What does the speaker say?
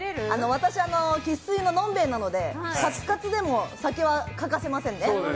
のんべえなので、カツカツでも酒は欠かせませんね。